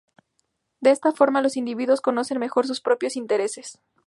De esta forma, los individuos conocen mejor sus propios intereses.